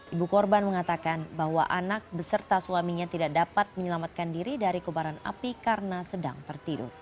ibu korban mengatakan bahwa anak beserta suaminya tidak dapat menyelamatkan diri dari kebaran api karena sedang tertidur